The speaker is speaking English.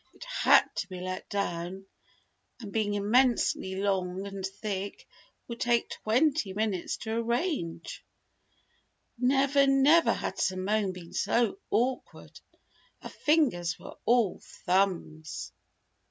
It had to be let down; and being immensely long and thick, would take twenty minutes to rearrange. Never, never had Simone been so awkward! Her fingers were all thumbs!